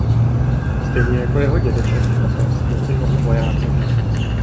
Stejně jako jeho dědeček i otec byl i on vojákem.